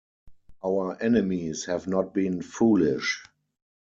Our enemies have not been foolish!